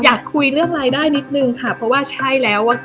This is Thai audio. อยากคุยเรื่องรายได้นิดนึงค่ะเพราะว่าใช่แล้วว่า